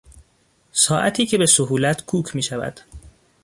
ساعتی که به سهولت کوک میشود